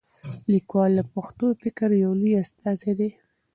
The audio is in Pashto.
لیکوال د پښتو فکر یو لوی استازی دی.